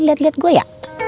lihat lihat gue ya